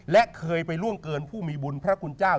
และเคยไปล่วงเกินผู้มีบุญพระคุณเจ้า